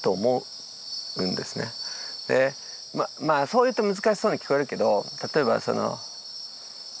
そう言うと難しそうに聞こえるけど例えばその。